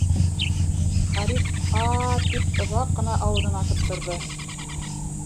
Харис «а-а-а» тип оҙаҡ ҡына ауыҙын асып торҙо.